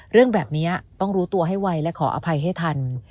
เรื่องแบบนี้ต้องรู้ตัวให้ไวและขออภัยให้ทัน